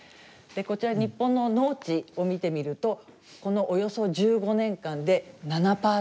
こちら日本の農地を見てみるとこのおよそ１５年間で７％減っているんです。